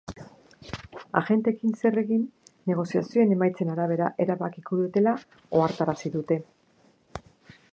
Agenteekin zer egin negoziazioen emaitzen arabera erabakiko dutela ohartarazi dute.